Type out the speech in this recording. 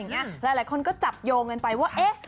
หลายคนก็จับโยงกันไปว่า